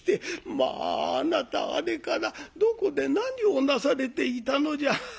「まああなたあれからどこで何をなされていたのじゃ」。